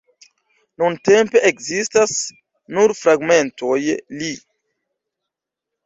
Nuntempe ekzistas nur fragmentoj li.